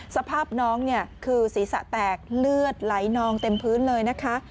สภาพน้องเนี่ยคือศีรษะแตกเลือดไหลนองเต็มพื้นเลยนะคะ